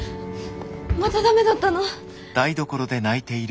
また駄目だったの？